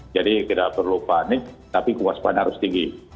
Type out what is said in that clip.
jadi tidak perlu panik tapi kewaspadaan harus tinggi